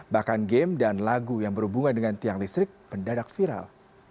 bahkan game dan lagu yang berhubungan dengan tiang listrik mendadak viral